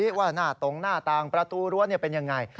ว่าหน้าตรงหน้าต่างประตูรั้วเป็นยังไง